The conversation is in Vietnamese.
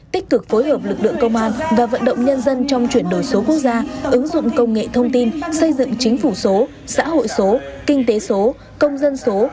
tích cực phối hợp lực lượng công an và vận động nhân dân trong chuyển đổi số quốc gia ứng dụng công nghệ thông tin xây dựng chính phủ số xã hội số kinh tế số công dân số